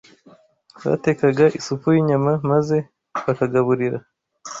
Batekaga isupu y’inyama, maze bakagaburira